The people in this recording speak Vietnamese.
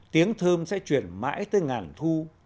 tiếng thơm sẽ chuyển mãi tới ngàn thu